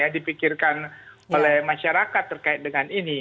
dipikirkan oleh masyarakat terkait dengan ini